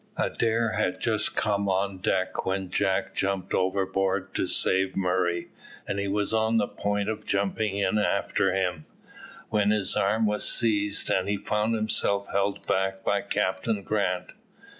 Adair had just come on deck when Jack jumped overboard to save Murray, and he was on the point of jumping in after him, when his arm was seized, and he found himself held back by Captain Grant.